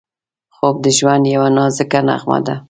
خوب د ژوند یوه نازکه نغمه ده